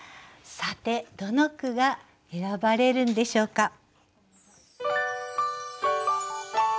さてどの句が選ばれるんでしょうか？